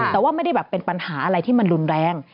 แต่ว่าไม่ได้แบบเป็นปัญหาอะไรที่มันรุนแรง